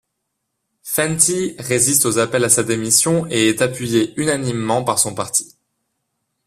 Fentie résiste aux appels à sa démission et est appuyé unanimement par son parti.